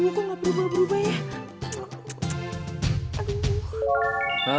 gue tuh gak berubah berubah ya